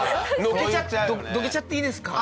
「どけちゃっていいですか？」